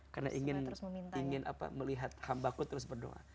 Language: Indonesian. karena ingin melihat hambaku terus berdoa